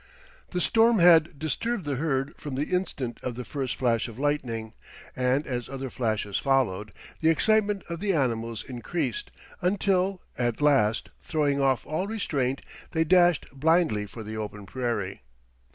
The storm had disturbed the herd from the instant of the first flash of lightning, and, as other flashes followed, the excitement of the animals increased until, at last, throwing off all restraint, they dashed blindly for the open prairie.